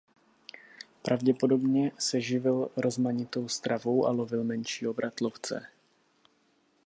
Pravděpodobně se živil rozmanitou stravou a lovil menší obratlovce.